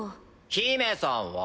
姫さんは？